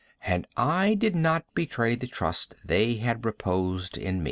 And I did not betray the trust they had reposed in me.